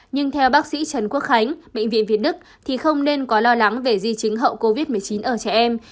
nhưng theo bác sĩ trần quốc khánh bệnh viện việt đức thì không nên có lo lắng về di chính hậu covid một mươi chín ở trẻ em